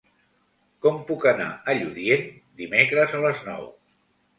Com puc anar a Lludient dimecres a les nou?